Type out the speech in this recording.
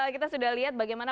kita sudah lihat bagaimana